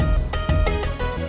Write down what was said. ya ada tiga orang